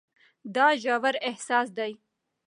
دا ژور احساسات دي.